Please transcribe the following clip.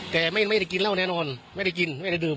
แต่ไม่ได้กินเหล้าแน่นอนไม่ได้กินไม่ได้ดื่ม